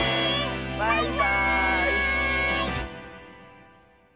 バイバーイ！